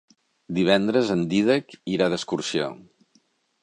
Divendres en Dídac irà d'excursió.